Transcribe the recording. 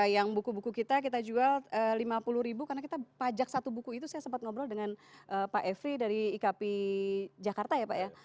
yang buku buku kita kita jual rp lima puluh ribu karena kita pajak satu buku itu saya sempat ngobrol dengan pak efri dari ikp jakarta ya pak ya